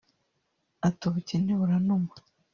Ati “ubukene buranuma